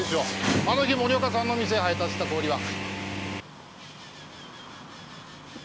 あの日森岡さんの店に配達した氷は。